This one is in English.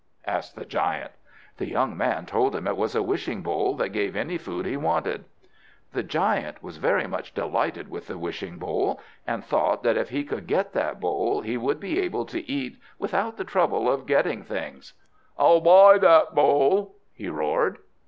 asked the giant. The young man told him it was a wishing bowl, that gave any food he wanted. The giant was very much delighted with the wishing bowl, and thought that if he could get that bowl, he would be able to eat without the trouble of getting things. "I'll buy that bowl!" he roared.